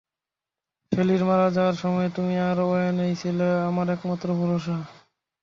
শেলীর মারা যাওয়ার সময়ে তুমি আর ওয়েনই ছিলে আমার একমাত্র ভরসা।